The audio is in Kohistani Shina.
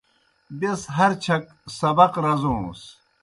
بیْس ہر چھک سبق رزوݨَس۔